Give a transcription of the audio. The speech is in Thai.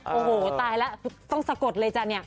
โอ้โหตายแล้วต้องสะกดเลยจ้ะเนี่ย